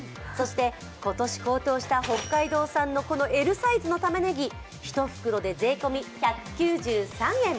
そして、今年高騰した北海道産、このＬサイズのたまねぎ１袋で税込み１９３円。